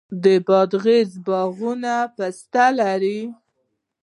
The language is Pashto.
د بادغیس باغونه پسته لري.